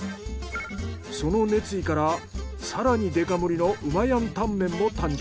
その熱意から更にデカ盛りのうまやんタンメンも誕生。